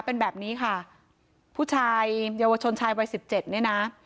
เป็นแบบนี้ค่ะผู้ชายเยาวชนชายวัยสิบเจ็ดเนี่ยนะ